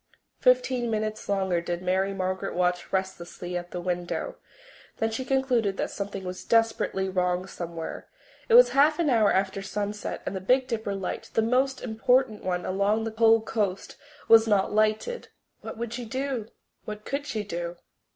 Fifteen minutes longer did Mary Margaret watch restlessly at the window. Then she concluded that something was desperately wrong somewhere. It was half an hour after sunset and the Big Dipper light, the most important one along the whole coast, was not lighted. What would she do? What could she do?